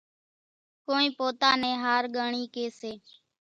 ڪونئين پوتا نين ۿارڳانڻِي ڪيَ سي۔